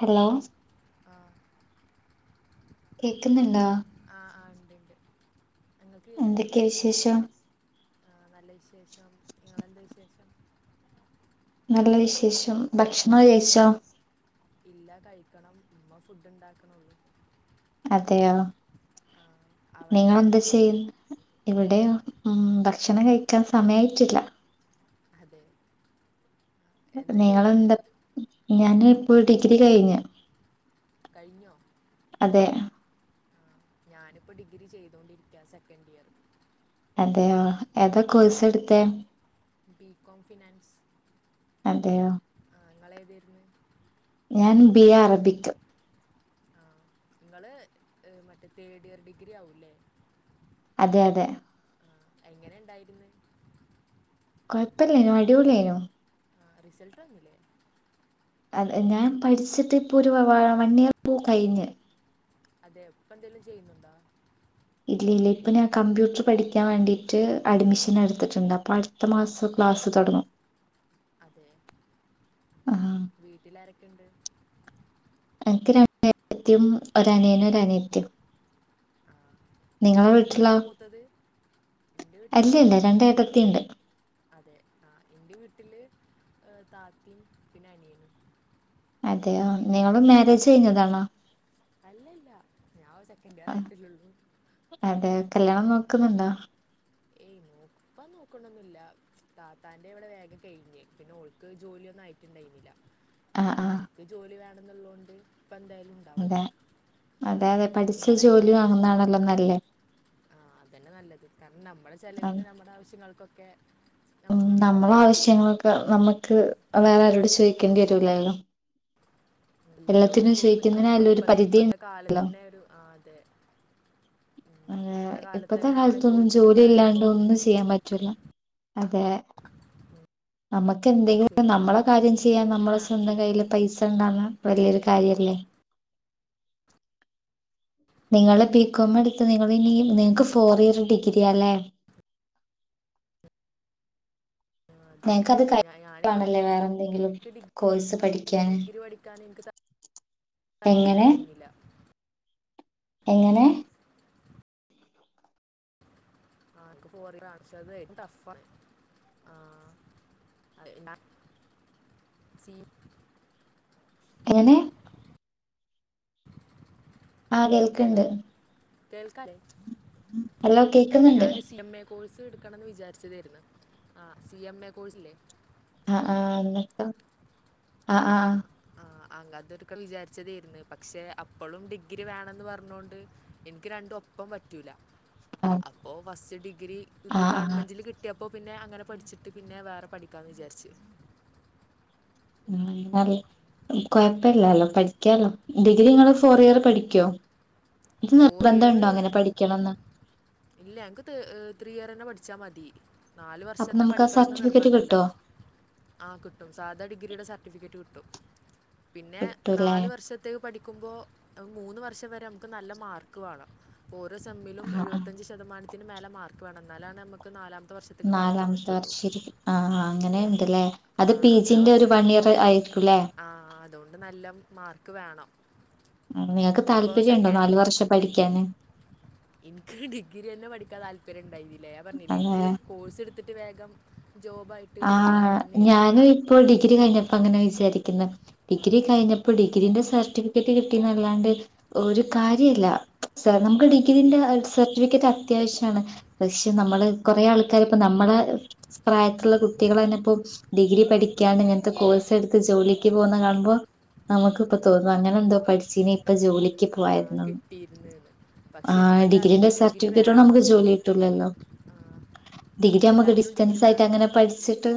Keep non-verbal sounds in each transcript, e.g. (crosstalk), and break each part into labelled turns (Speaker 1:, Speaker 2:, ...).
Speaker 1: Hello
Speaker 2: ആ
Speaker 1: കേക്കുന്നുണ്ടോ
Speaker 2: ആഹ് ആഹ് ഇണ്ട് (inaudible) ഇങ്ങക്ക് കേക്കുന്നില്ലേ
Speaker 1: എന്തൊക്കെയ വിശേഷം
Speaker 2: ആഹ് നല്ല വിശേഷം ഇങ്ങളെന്താ (unintelligible)
Speaker 1: നല്ല വിശേഷം ഭക്ഷണം കഴിച്ചോ
Speaker 2: ഇല്ല കഴിക്കണം ഉമ്മ ഫുഡ് ഉണ്ടാക്കണുള്ളൂ
Speaker 1: അതെയോ
Speaker 2: ആ അവിടെ എങ്ങനെ
Speaker 1: നിങ്ങളെന്താ ചെയ്യൽ ഇവിടെയോ മ് ഭക്ഷണം കഴിക്കാൻ സമയായിട്ടില്ല.
Speaker 2: അതെ ആ, എന്താ ചെയ്യണേ
Speaker 1: നിങ്ങള്ന്താ ഞാന് (unintelligible) ൾ ഡിഗ്രി കഴിഞ്ഞു
Speaker 2: കഴിഞ്ഞോ?
Speaker 1: അതെ
Speaker 2: ഞാനിപ്പോ ഡിഗ്രി ചെയ്തൊണ്ടിരിക്കിയ സെക്കൻഡ് ഇയർ
Speaker 1: അതെയോ ഏതാ കോഴ്സ് എടുത്തേ
Speaker 2: ബി. കോം ഫിനാൻസ്
Speaker 1: അതെയോ
Speaker 2: നിങ്ങളേതെരുന്നു
Speaker 1: ഞാൻ ബി. എ അറബിക്ക്
Speaker 2: ആ നിങ്ങള് മറ്റേ തേഡ് ഇയർ ഡിഗ്രി ആവൂല്ലേ
Speaker 1: അതെ അതെ
Speaker 2: എങ്ങനെ ഉണ്ടായിരുന്നു
Speaker 1: കൊഴപ്പില്ല അടിപൊളിയായിരുന്നു
Speaker 2: ആ റിസൾട്ട് വന്നില്ലേ
Speaker 1: അ ഞാൻ പഠിച്ചിട്ട് ഇപ്പൊ ഒരു വൺ ഇയർ ഇപ്പോ കഴിഞ്ഞ്
Speaker 2: അതെ ഇപ്പ എന്തെങ്കിലും ചെയ്യുന്നുണ്ടോ
Speaker 1: ഇല്ല ഇല്ല ഇപ്പൊ ഞാൻ കമ്പ്യൂട്ടർ പഠിക്കാൻ വേണ്ടിട്ട് അഡ്മിഷൻ എടുത്തിട്ടുണ്ട് അപ്പൊ അടുത്ത മാസം ക്ലാസ്സ് തുടങ്ങും
Speaker 2: അതെ
Speaker 1: ആ
Speaker 2: വീട്ടിൽ ആരൊക്കെയുണ്ട്
Speaker 1: എനിക്ക് രണ്ടേട്ടത്തിം ഒരുനിയനും ഒരനിയത്തീം
Speaker 2: അപ്പൊ നിങ്ങളാണ് മൂത്തത് എൻ്റെ വീട്ടിൽ
Speaker 1: അല്ല ഇല്ല രണ്ടേട്ടത്തിയുണ്ട്
Speaker 2: അതെ ആ എന്റെ വീട്ടില് താത്തയും പിന്നെ അനിയനും പിന്നെ
Speaker 1: അതെയോ
Speaker 2: ഉപ്പിയമ്മയും
Speaker 1: നിങ്ങള് മാരേജ് കഴിഞ്ഞതാണോ
Speaker 2: അല്ലല്ല ഞാൻ ഒരു സെക്കൻഡ് ഇയർ
Speaker 1: ആ,
Speaker 2: ആയിട്ടല്ലേ ഉള്ളൂ
Speaker 1: അതെ കല്യാണം നോക്കുന്നുണ്ടോ
Speaker 2: ഏയ് ഇപ്പോ നോക്കുന്നൊന്നില്ല താത്താന്റെ ഇവിടെ വേഗം കഴിഞ്ഞ് പിന്നെ ഓൾക്ക് ജോലിയൊന്നും ആയിട്ടിണ്ടാനില്ല
Speaker 1: ആ
Speaker 2: അപ്പൊ
Speaker 1: ആ
Speaker 2: പിന്നെ എനിക്ക് ജോലി വേണം ഇടങ്ങളള്ളാം ഉണ്ട് (inaudible)
Speaker 1: അതെ അതെ അതെ പഠിച്ച ജോലി അങ്ങുന്നതാണല്ലോ നല്ലത്
Speaker 2: ആഹ അതന്നെ നല്ലത് കാരണം നമ്മുടെ ചിലവിന് നമ്മുടെ ആവിശ്യങ്ങൾക്കൊക്കെ ഒക്കെ
Speaker 1: ഉ നമ്മള ആവശ്യങ്ങളൊക്കെ നമ്മുക്ക് വേറെ ആരോട് ചോദിക്കേണ്ടി വ- ജോലി ആയിലോ
Speaker 2: എല്ലാരോടും ചോദിക്കുന്നത്
Speaker 1: ഒരു
Speaker 2: ഇപ്പത്തെ
Speaker 1: പരിധി
Speaker 2: ഇപ്പത്തെ കാലത്തിന്റെ ഒരു ആ ഉം
Speaker 1: അ
Speaker 2: കാലത്ത്
Speaker 1: ഇപ്പത്തെ
Speaker 2: തന്നെ അങ്ങനെ
Speaker 1: കാലത്തൊന്നും
Speaker 2: ചോദിച്ച്
Speaker 1: ജോലി ഇല്ലാണ്ട്
Speaker 2: നിൽക്കറിയുമ്പോൾ
Speaker 1: ഒന്നും ചെയ്യാൻ പറ്റൂല്ല അതെ നമ്മുക്ക് എന്തെങ്കിലും
Speaker 2: ശരിയാണ്
Speaker 1: നമ്മളെ കാര്യം
Speaker 2: ഉം.
Speaker 1: ചെയ്യാൻ
Speaker 2: ജോലി
Speaker 1: നമ്മളെ
Speaker 2: വേണം
Speaker 1: സ്വന്തം കൈയിൽ
Speaker 2: ശരിക്കും
Speaker 1: പൈസ ഉണ്ടാവണത് വലിയൊരു കാര്യല്ലേ നിങ്ങള് ബികോം എടുത്ത് നിങ്ങളിനി നിങ്ങൾക്ക് ഫോർ ഇയർ ഡിഗ്രിയാല്ലേ
Speaker 2: ആ, അതെ
Speaker 1: ഞങ്ങക്ക് അത്
Speaker 2: ഞാൻ ഞാൻ
Speaker 1: കഴിഞ്ഞിട്ട്
Speaker 2: എനിക്ക്
Speaker 1: വേണല്ലേ വേറെ എന്തെങ്കിലും കോഴ്സ് പഠിക്കാൻ
Speaker 2: ഡിഗ്രി പഠിക്കാൻ എനിക്ക് ത- താല്പര്യം ഉണ്ടായിരുന്നില്ല
Speaker 1: എങ്ങനെ
Speaker 2: ആ എനിക്ക് പോറി കാണിച്ചത് ടഫ ആാ (inaudible)
Speaker 1: എങ്ങനെ- ആഹ കേൾക്ക്ണ്ട്
Speaker 2: കേൽക്കല്ലേ
Speaker 1: ഹല്ലോ കേക്കുന്നുണ്ട്
Speaker 2: എടുക്കണംന്ന് വിചാരിച്ചതേര്ന്ന് ആ സി എം എ കോഴ്സല്ലേ
Speaker 1: ആഹ- ആഹ -എന്നിക്ക -ആഹ -ആഹ്
Speaker 2: ആ അതൊരിക്ക വിചാരിച്ചതേര്ന്ന് പക്ഷെ അപ്പോളും ഡിഗ്രി വേണന്ന് പറഞ്ഞൊണ്ട് എനിക്ക് രണ്ടും ഒപ്പം പറ്റൂല
Speaker 1: ആ
Speaker 2: അപ്പോ ഫസ്റ്റ് ഡിഗ്രി ഇത്
Speaker 1: ആ ആ ആ
Speaker 2: ഗവൺമെന്റിൽ കിട്ടിയ- അപ്പൊ പിന്നെ അങ്ങനെ പഠിച്ചിട്ട് പിന്നെ വേറെ പഠിക്കാന്ന് വിചാരിച്ചു
Speaker 1: ആ- നല്ല -കൊഴപ്പില്ലാലോ പഠിക്കാലോ ഡിഗ്രി ങ്ങള്
Speaker 2: ആ
Speaker 1: ഫോർ ഇയർ പഠിക്കോ ഇത്
Speaker 2: ഫോർ ഇയർ
Speaker 1: നിർബന്ധണ്ടോ അങ്ങനെ പഠിക്കണംന്ന്
Speaker 2: ഇല്ല എനിക്ക് ഈ ത്രീ ഇയർ തന്നെ പഠി ചമതി നാല്
Speaker 1: അപ്പൊ
Speaker 2: വർഷത്തെ
Speaker 1: നമുക്ക് ആ
Speaker 2: പഠിക്കണെന്ന്
Speaker 1: സർട്ടിഫിക്കറ്റ്
Speaker 2: നിർബന്ധല്ല
Speaker 1: കിട്ടോ
Speaker 2: ആഹ കിട്ടും സാധാ ഡിഗ്രിയുടെ സർട്ടിഫിക്കറ്റ് കിട്ടും ട്ടും പിന്നെ
Speaker 1: കിട്ടൂല്ലേ
Speaker 2: നാല് വർഷത്തേക്ക് പഠിക്കുമ്പോ മൂന്ന് വർഷ വരെ നമ്മക്ക് നല്ല മാർക്ക് വാണം ഓരോ സെമ്മിലും
Speaker 1: ആ
Speaker 2: എഴുപത്തഞ്ച് ശതമാന അതിനമേലെ മാർക്ക് വേണം എന്നാലാണ് നമക്ക് നാലാം
Speaker 1: നാലാമത്തെർ ഷശരി ആഹ അങ്ങനെുണ്ടല്ലേ
Speaker 2: ആ അങ്ങനെ കൊറച്ച് ആഹ അതുകൊണ്ട് നല്ലം മാർക്ക് വേണം
Speaker 1: നിനക്ക്
Speaker 2: ഇതിപ്പോൾ
Speaker 1: താല്പര്യംണ്ടോ
Speaker 2: സെക്കൻഡ്
Speaker 1: നാാലു വർഷം പഠിക്കാന്
Speaker 2: എനിക്ക് ഡിഗ്രി തന്നെ പഠിക്കാൻ താല്പര്യം ണ്ടായിനിം അല്ലേ പറഞ്ഞില്ലേ ഇൻക് കോഴ്സ് ഇട് ഇത് വേഗം ജോബായിട്ട് സെറ്റിൽ
Speaker 1: ആ്
Speaker 2: ആവണമെന്നായിരുന്നു
Speaker 1: ഞാനും ഇപ്പോ ഡിഗ്രി കഴിഞ്ഞപ്പോ അങ്ങനെ വിചാരിക്കും ഡിഗ്രി
Speaker 2: ആ,
Speaker 1: കഴിഞ്ഞപ്പോ ഡിഗ്രീന്റെ സർട്ടിഫിക്കറ്റ് കിട്ടിന്നല്ലാണ്ട് ഒരു കാര്യല്ല സർ നമുക്ക് ഡിഗ്രീന്റെ
Speaker 2: സത്യം
Speaker 1: സർട്ടിഫിക്കറ്റ് അത്യാവശ്യണ് പക്ഷെ നമ്മള് കുറേ ആൾക്കാർ ഇപ്പോ നമ്മള പ്രായ കുട്ടികൾ തന്നെ ഇപ്പോ ഡിഗ്രി പഠിക്കാണ്ട് ഇങ്ങനത്തെ കോഴ്സ് എടുത്ത് ജോലിക്ക് പോകുന്ന കാണുമ്പോൾ നമുക്കിപ്പോ തോന്നും അങ്ങനെ ന്തോ പഠിച്ചീനീ ഇപ്പ ജോലി
Speaker 2: ആ,
Speaker 1: പോവായിരുന്ന്ന്ന്
Speaker 2: കിട്ടിയിരുന്നെന്ന്
Speaker 1: ആ
Speaker 2: പക്ഷെ ഇപ്പം
Speaker 1: ഡിഗ്രിന്റെ
Speaker 2: എല്ലാത്തിനും ഡിഗ്രി
Speaker 1: സർട്ടിഫിക്കേട്ടോണ്ട്
Speaker 2: വേണം
Speaker 1: നമ്മക്ക് ജോലി കിട്ടൂല ല്ലോ
Speaker 2: ആ, ഇപ്പം
Speaker 1: ഡിഗ്രിമ്മക്ക്
Speaker 2: എല്ലാത്തിനും ഡിഗ്രി
Speaker 1: ഡിസ്റ്റൻസായിട്ട്
Speaker 2: വേണം
Speaker 1: അങ്ങനെ പഠിച്ചിട്ട്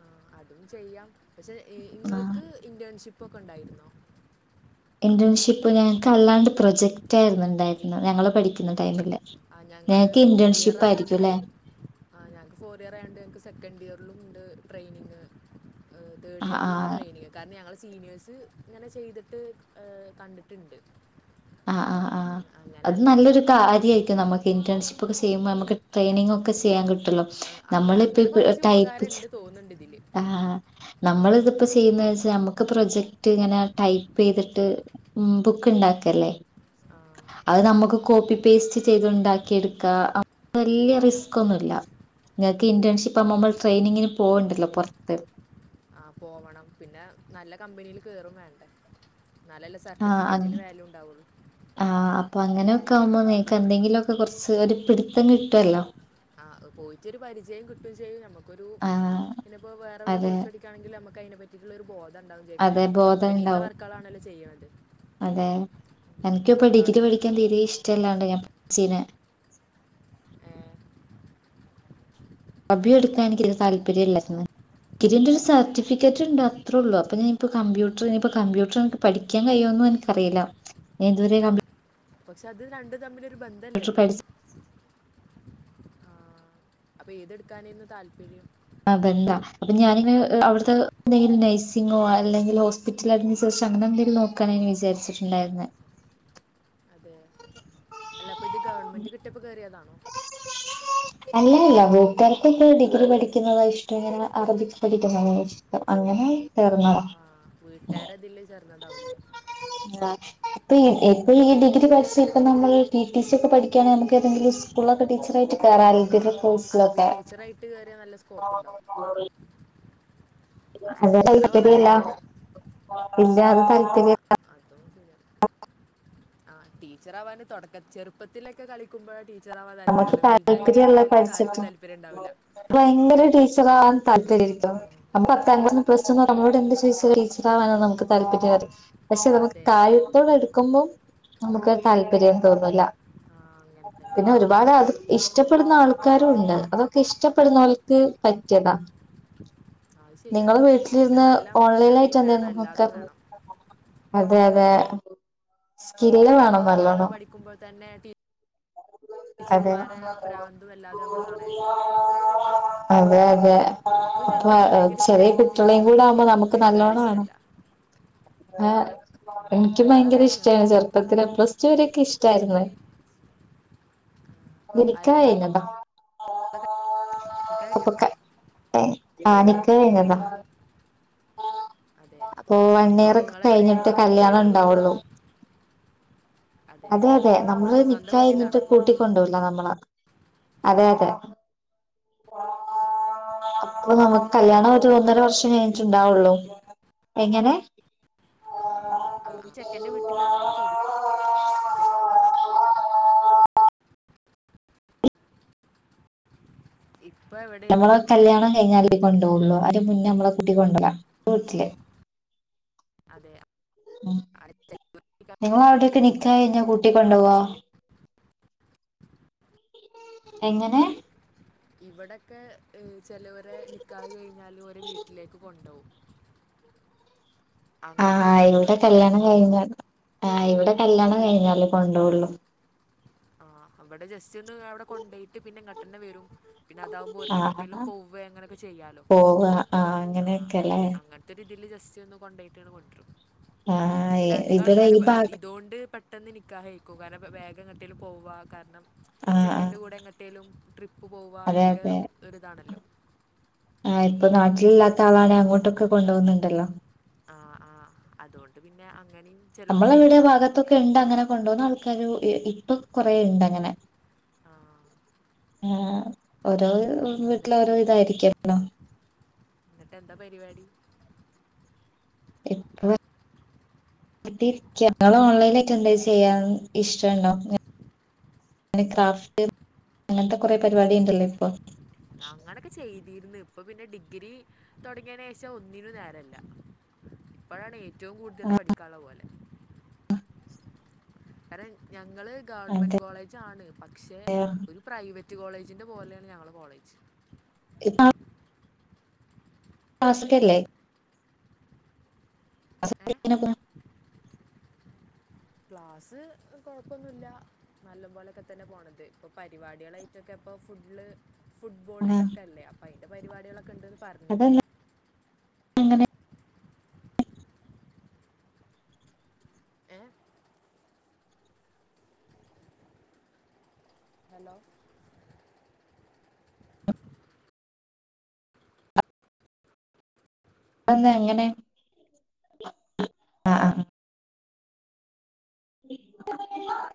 Speaker 2: ആ അതും ചെയ്യാം പക്ഷെ
Speaker 1: ആ
Speaker 2: നിങ്ങൾക്ക് ഇ ഫ്രണ്ട്ഷിപ്പൊക്കെ ഉണ്ടായിരുന്നോ
Speaker 1: ഇന്റേൺഷിപ്പ് ഞങ്ങൾക്ക് അല്ലാണ്ട് പ്രൊജക്റ്റ് ആായിരുന്നു ഉണ്ടായിരുന്നത് ഞങ്ങള്ൾ പഠിക്കുന്ന ടൈമില്
Speaker 2: ആ ഞങ്ങള്
Speaker 1: ഞങ്ങക്ക്
Speaker 2: ഫോർ ഇയർ
Speaker 1: ഇന്റേൺഷിപ്പ് ആയിരിക്കും
Speaker 2: ആയൊണ്ട്
Speaker 1: ല്ലേ
Speaker 2: ആ ഞങ്ങക്ക് ഫോർ ഇയർ ആയോണ്ട് ഞക്ക് സെക്കൻ് ഇയർ ുണ്ട് ട്രെയിനിങ് തേഡ്
Speaker 1: ആഹ്
Speaker 2: ഇയറിലു'ണ്ട്
Speaker 1: ആഹ്
Speaker 2: ട്രൈനിംഗ് കാരണം ഞങ്ങ സീനിയേഴ്സ് ഇങ്ങനെ ചെയ്തിട്ട് കണ്ടിട്ടുണ്ട്
Speaker 1: ആഹ ആ ആ
Speaker 2: അങ്ങനെ
Speaker 1: അത്
Speaker 2: അറിയാം
Speaker 1: നല്ലൊരു കാര്യയിരിക്കും നമുക്ക് ഇന്റേൺി്സിപ്പ് ഒക്കെ ചെയുമ്പോ നമുക്ക് ടെയിനിങ്ങ ഒക്കെ ചെയ്യൻ കട്ടും
Speaker 2: ആ, അങ്ങ-
Speaker 1: നമ്മള്
Speaker 2: അങ്ങനെ കുറച്ച്
Speaker 1: ടൈപ്പ്
Speaker 2: ഉപകാരം
Speaker 1: ചെ
Speaker 2: ഉണ്ട് തോന്നുന്നുണ്ട് ഇതിൽ
Speaker 1: നമ്മളിപ്പൈപ്പ ആ നമ്മൾിതിപ്പോ ചെയ്യുന്നച്ചാ നമുക്ക് ഒെ പ്രൊജക്റ്റ് ഇങ്ങനെ ടൈപ്പ് ചെയ്തിട്ട് ബുക്ക് ഉണ്ടാക്കല്ലേ
Speaker 2: ആ
Speaker 1: അത് നമ്മുക്ക് കോപ്പി പേസ്റ്റ് ചെയ്ത് ഉണ്ടാക്കി എടുക്കാം വലിയ റിസ്ക്ൊന്നുമല്ല നിങ്ങൾക്ക് ഇന്റേൺഷിപ്പ് ആവുമ്പോമ്മൾ ട്രെയിനിങ്ങിന് പോവണ്ടല്ലോ പുൊറത്ത്
Speaker 2: ആ, പോവണം പിന്നെ നല്ല കമ്പനിയിൽ കയറും വേണ്ടേ എന്നാലല്ലേ
Speaker 1: ആഹ
Speaker 2: സർട്ടിഫിക്കറ്റിന് വാല്യൂ ഉണ്ടാവുള്ളൂ
Speaker 1: ആഹ അപ്പൊ അങ്ങനെെ ഒക്കെ ആുമ്പോ നിക്ക എന്തെങ്കിലുമ ഒക്കെ കുറച്ച് ഒരു പിടിത്തം കിട്ടുമല്ലോ
Speaker 2: ആഹ് പോയിട്ടൊരു പരിചയം കിട്ടുകയും ചെയ്യും നമ്മുക്ക് നമൊ ഒരു
Speaker 1: ആഹ്
Speaker 2: ഇനിപ്പോ വേറെ വില
Speaker 1: അതെ
Speaker 2: കോഴ്സ് പടിക്കാണെങ്കിൽ നമുക്ക് അതിനെ പറ്റിുള്ള ഒരു ബോധം ഉണ്ടാവും ചെയ്യാം
Speaker 1: അതെ
Speaker 2: കാരണം
Speaker 1: ബോധം
Speaker 2: കമ്പനീത്തെ
Speaker 1: ഉണ്ടാവും
Speaker 2: വർക്കാൾാണല്ലോ ചെയ്യുന്നത്
Speaker 1: അതെ എനിക്കിപ്പോ ഡിഗ്രി പഠിക്കാൻ
Speaker 2: തുടങ്ങിട്ടുള്ളു
Speaker 1: തീരെ ഇഷ്ടമല്ലാണ്ട് ഞാൻ പഠിച്ചീനെ കബി എടുക്കാ
Speaker 2: അതെന്താ
Speaker 1: എനിക്ക താല്പര്യം ഇല്ലന്ന് ഇിറെ ഒരു സർട്ടിഫിക്കറ്റ് ഉണ്ട് അത്രേുള്ളള്ള അപ്പ ഞാനിപ്പോ കമ്പ്യൂട്ടർ ഇനിപ്പ കമ്പ്യൂട്ടർ എനിക്ക് പഠിക്കാൻ കഴിയോൊന്നും എനിക്കറിയില്ല ഞാൻ ഇതുവരെ ക
Speaker 2: പക്ഷെ അത് രണ്ട തമ്മിൽ ബന്ധല്ലല്ലോ
Speaker 1: പഠിച്ച
Speaker 2: അപ്പൊ ഏതെടുക്കാനന്ന് താല്പര്യം
Speaker 1: ആ ബന്താ അപ്പൊ ഞാാനിങ്ങെ അവിടു എന്തെങ്കിലും നഴ്സിങ്ങോ അല്ലെങ്കിൽ ഹോസ്പിറ്റല അട ശേഷ അങ്ങനെ എന്തെങ്കിലും നോക്കാൻ വിചാരിച്ചിട്ടുണ്ടായിരുന്ന
Speaker 2: അപ്പ ഇത് ഗവൺെന്റ് കിട്ടപ്പോ കയറിയാണോ
Speaker 1: അല്ലല്ല വൂട്ടുകാക്ക്ൊക്ക ഡിഗ്രി പഠിക്കുന്നത ഇഷ്ടം എങ്ങനെ അറബിക്ക് പഠിക്കുന്ന ചോം അങ്ങനെ തേർന്നത
Speaker 2: വീട്ടുകാരതില് ചേർന്നതാവില്ലേ
Speaker 1: ഇപ്പ ഇപ്പൊ ഈ ഡിഗ്രി പഠിച്ച ഇപ്പ നമ്മള് പി ടി സി ഒക്കെ പഠിക്കയാണങ്ക നമുക്ക് തെങ്കിലും സ്ളക്കെ ടീച്ച ആട്ട് കറും
Speaker 2: ആ
Speaker 1: ഇക്കിലക്ക
Speaker 2: അറബിക് ടീച്ചറായിട്ട് കയറിയ നല്ല സ്കോപ്പ് ഉണ്ടാവും പക്ഷെ ടീച്ചറാവാൻ
Speaker 1: അല്ല
Speaker 2: താല്പര്യം ഉണ്ടോ ആ
Speaker 1: അാന്തായി (unintelligible)
Speaker 2: ആ് ടീച്ചറവാാന് തുടക്ക ചെറുപ്പത്തിലൊക്കെ കളിക്കുമ്പോഴ
Speaker 1: നമുക്ക് താല്പര്യല്ല
Speaker 2: ആർക്കും
Speaker 1: പഠിച്ചിട്ട്
Speaker 2: താല്പര്യം ഉണ്ടാവില്ല
Speaker 1: ഭയങ്കരടീ ച്ചവാൻ താപര്യട്ടോ അപ്പൊ പ്ര നമ്മളോട് എന്ത് ചോ ടീച്ചർ ആാനോ നമുക്ക് താല്പര്യം പക്ഷെ നമുക്ക്
Speaker 2: അതെ
Speaker 1: കാര്യത്തോട് അടുക്കുമ്പോൾ എടുക്കുമ്പം നമുക്ക് താല്പര്യം തോന്നില്ല
Speaker 2: ആ, അങ്ങനെ തന്നെ
Speaker 1: പിന്നെ ഒരുപാട് അത് ഇഷ്ടപ്പെടുന്ന ആൾക്കാരു ഉണ്ട് അതൊക്കെ ഇഷ്ടപ്പെടുന്ന ആൾക്ക് പറ്റിയതാ
Speaker 2: അത് ശരിയാണ്
Speaker 1: നിങ്ങള്
Speaker 2: പിന്നെ
Speaker 1: വീട്ടിലിരുന്ന്
Speaker 2: നല്ല
Speaker 1: ഓൺലൈൻ ആയിട്ട്
Speaker 2: ക്ഷമയും വേണം
Speaker 1: എന്തരുന്നു നോക്ക
Speaker 2: എല്ലാതും വേണം
Speaker 1: അതെ അതെ സ്കില് വേണം
Speaker 2: നമ്മള്
Speaker 1: നല്ലോണം
Speaker 2: പഠിക്കുമ്പോൾ തന്നെ ടീ
Speaker 1: അതെ
Speaker 2: ടീച്ചർമാരെ പ്രാന്തും എല്ലാതും നമ്മൾ കാണാനില്ലേ
Speaker 1: അതെ അതെ
Speaker 2: എനിക്കും
Speaker 1: അപ്പൊ
Speaker 2: ചെറുപ്പത്തിൽ ഭയങ്കര
Speaker 1: ചെറിയ
Speaker 2: ഇഷ്ടമായിരുന്നു
Speaker 1: കുട്ടികളേും
Speaker 2: ടീച്ചർ
Speaker 1: കൂടെ
Speaker 2: എന്നൊക്കെ
Speaker 1: ആവുമ്പോ നമുക്ക്
Speaker 2: വലുതായ
Speaker 1: നല്ലോണം വേണം
Speaker 2: ഇഷ്ടമല്ല
Speaker 1: ആ എനിക്ക്
Speaker 2: അല്ലങ്ങളൊക്കെ
Speaker 1: ഭയങ്കര
Speaker 2: ആണെങ്കിൽ
Speaker 1: ഇഷ്ടാണ്
Speaker 2: കാണാം
Speaker 1: ചെറുപ്പത്തിലൽ പ്ലസ് ടു വരൊക്കെ ഇഷ്ടം (unintelligible) ായിുന്ന്
Speaker 2: അല്ല
Speaker 1: നിനിക്ക എന്നനതാ
Speaker 2: നിങ്ങളൊക്കെ എനിക്ക് കഴിഞ്ഞ
Speaker 1: ക്ക ആ (unintelligible) ശരില്ല
Speaker 2: അതെ
Speaker 1: (unintelligible) അപ്പൊ വൺ ഇയർ
Speaker 2: അപ്പോൾ
Speaker 1: ഒക്കെ
Speaker 2: നിങ്ങളെവിടെ നിങ്ങൾ
Speaker 1: കഴിഞ്ഞിട്ട്
Speaker 2: സ്വന്തം
Speaker 1: കല്യാണം
Speaker 2: വീട്ടിലാണോ
Speaker 1: ഉണ്ടാവുള്ളു.. അതെ അതെ നമ്മള്
Speaker 2: സ്വന്തം
Speaker 1: നിക്കഴിഞ്ഞി
Speaker 2: വീട്ടിലാണോ
Speaker 1: കൂട്ടിക്കൊണ്ടല്ല നമ്മള് അതെ അതെ അപ്പൊ നമുക്ക്
Speaker 2: അപ്പൊ
Speaker 1: കല്യാണം ഒരു
Speaker 2: ചെക്കൻ്റെ
Speaker 1: ഒന്നര
Speaker 2: വീട്ടിൽ-
Speaker 1: വർഷം കഴിഞ്ഞിട്ടുണ്ടാവുള്ളൂ എങ്ങനെ
Speaker 2: ആ,
Speaker 1: എ
Speaker 2: ആ. ചെക്കന്റെ വീട്ടിലാണോ എന്ന് ചോദിക്കുക
Speaker 1: (unintelligible)
Speaker 2: ഇപ്പൊ എവിടെയാണ്
Speaker 1: നമ്മളക്കെ കല്യാണം കഴിഞ്ഞാല് ക്കുട്ടിക്കൊണ്ടോള്ളു അതിന് മുന്നേ നമ്മളെ കട്ടി കൊണ്ടോ ലാ പ്പം മസിലായി
Speaker 2: അതെ
Speaker 1: ഉ
Speaker 2: ആ ചെലവ്
Speaker 1: നിങ്ങ അവിടെയൊക്കെ
Speaker 2: കൊണ്ടുപോകും
Speaker 1: നിക്കാഹ് കയിക്കാ കൂട്ടിക്കൊണ്ടോ വോ എങ്ങനെ
Speaker 2: ഇവിടെക്കെ ചിലവരെ നിക്കാഹ് കഴിഞ്ഞാലും ഒരേ വീട്ടിലേക്ക് കൊണ്ടോവും
Speaker 1: ആ ഇവിടെ കല്യാണം കഴിഞ്ഞാണ് ആഇവിടെ കല്യാണം കഴിഞ്ഞാല് കൊണ്ടോവൊ ള്ളു
Speaker 2: ആ അവിടെ ജസ്റ്റ് ഒന്ന് അവിടെ കൊണ്ടോയിട്ട് പിന്നെ ഇങ്ങട്ടന്നെ വരും പിന്നെ അതാവുമ്പോ ഒർക്ക് എങ്ങേട്ടെലും
Speaker 1: ആഹ്
Speaker 2: പോവേ അങ്ങനെയൊക്കെ ചെയ്യാലോ
Speaker 1: പോവ ആഹ്
Speaker 2: ആ
Speaker 1: അങ്ങനെയൊക്കെല്ലേ
Speaker 2: അങ്ങനത്തെ ഇതില് ജസ്റ്റ് ഒന്ന് കൊണ്ടയിട്ട് കൊണ്ടരും
Speaker 1: ആഹ്
Speaker 2: പിന്നെ അധികം
Speaker 1: ഇവിടെ
Speaker 2: ആൾക്കാര്
Speaker 1: ഈ ഭാഗ
Speaker 2: ഇതൊണ്ട് പെട്ടെന്ന് നിക്കാഹ് കഴിക്കും കാരണം പ്പം വേഗങ്ങട്ട് കേലും പോവാ കാരണം
Speaker 1: ആഹ് ആഹ്
Speaker 2: ചെക്കൻറെ കൂടെ എങ്ങോട്ടേലും ട്രിപ്പ് പോവാ
Speaker 1: അതെ
Speaker 2: അതൊക്കെ
Speaker 1: അതെ
Speaker 2: ഒരുതാണല്ലോ
Speaker 1: ആ ഇപ്പൊ നാട്ടില് ല്ലാത്ത ആളാണ് അങ്ങോട്ടൊക്കെ കൊണ്ടോന്ന്ണ്ടല്ലോ
Speaker 2: ആ ആ അതുകൊണ്ട് പിന്നെ അങ്ങനെയും ചിലവർ
Speaker 1: നമ്മൾ അവിടെ
Speaker 2: ചെയ്യുന്നുണ്ട്
Speaker 1: ഭാഗത്തൊക്കെ ണ്ട് അങ്ങനെ കൊണ്ടുവുന്ന ആൾക്കാർ ഇപ്പൊ കൊറെ ഇണ്ട് അങ്ങനെ
Speaker 2: ആ
Speaker 1: ആ ഓരോ വീട്ടില്
Speaker 2: എന്നിട്ട്
Speaker 1: ഓരോ ഇതായിരിക്കല്ലോ
Speaker 2: എന്നിട്ട് എന്താ പരിപാടി
Speaker 1: ഇപ്പ വീട്ടില് ഇരിക്കാ നിങ്ങള് ഓൺലൈനായിറ്റ് എന്തേലും
Speaker 2: അതെ
Speaker 1: ചെയ്യാൻ ഇഷ്ടണ്ടോ ക്രാഫ്റ്റ് അങ്ങനത്തെ കൊറെ പരിപാടി ഉണ്ടല്ലോ ഇപ്പൊ
Speaker 2: അങ്ങനൊക്കെ ചെയ്തിര്ന്ന് ഇപ്പൊ പിന്നെ ഡിഗ്രി തുടങ്ങിയതിന് ശേഷം ഒന്നിനും നേരല്ല ഇപ്പോഴാണ് ഏറ്റവും
Speaker 1: ആ,
Speaker 2: കൂടുതൽ പഠിക്കാനുള്ള പോലെ കാരണം ഞ ഞങ്ങള്
Speaker 1: അതെ
Speaker 2: ഗവൺമെന്റ് കോളേജാണ് പക്ഷേ ഒരു പ്രൈവറ്റ് കോളജിന്റെ പോലെയാണ് ഞങ്ങളെ കോളജ്
Speaker 1: ഇപ്പ ക്ലാസൊക്കെല്ലെ ക്ലാസ്
Speaker 2: ഏ
Speaker 1: (unintelligible) ത്തിനാ
Speaker 2: ക്ലാസ് കുഴപ്പൊന്നുല്ല നല്ലപോലൊക്കെ തന്നെ പോണത് ഇപ്പ പരിപാടികളായിട്ടൊക്കെ ഇപ്പോ ഫുള്ള് ഫുട്ബോളിന്റെക്കെല്ലെ അപ്പ അയ് പരിപാടികളൊക്കെണ്ട് പറഞ്ഞിരുന്ന്
Speaker 1: അങ്ങനെ
Speaker 2: ഏ ഹലോ
Speaker 1: അത് എന്താ അങ്ങനെ ആ ആ (inaudible)